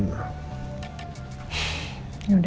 aku mau tidur